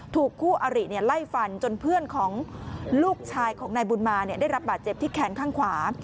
ถูกคู่อริไล่ฟันจนเพื่อนของลูกชายของนายบุญมาได้รับบาดเจ็บที่แขนข้างขวา